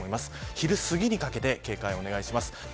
昼すぎにかけて警戒をお願いします。